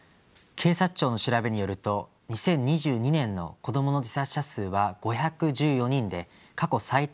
警察庁の調べによると２０２２年の子どもの自殺者数は５１４人で過去最多を記録しました。